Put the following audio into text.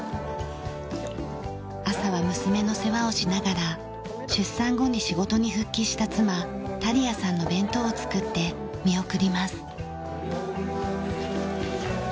朝は娘の世話をしながら出産後に仕事に復帰した妻タリヤさんの弁当を作って見送ります。